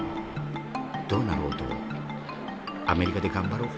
どうなろうとアメリカで頑張ろう』